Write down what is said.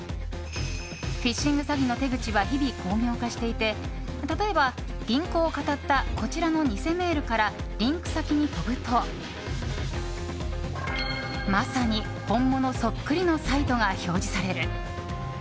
フィッシング詐欺の手口は日々、巧妙化していて例えば、銀行をかたったこちらの偽メールからリンク先に飛ぶとまさに本物そっくりのサイトが表示される。